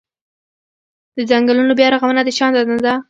د ځنګلونو بیا رغونه د چا دنده ده؟